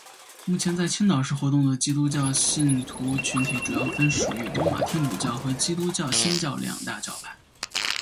目前在青岛市活动的基督教信徒群体主要分属于罗马天主教和基督教新教两大教派。